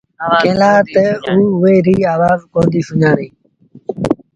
ڪݩهݩ لآ تا او اُئي ريٚ آوآز ڪوندينٚ سُڃآڻيݩ۔